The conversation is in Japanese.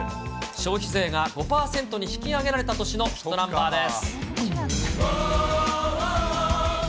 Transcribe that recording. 消費税が５％に引き上げられた年のヒットナンバーです。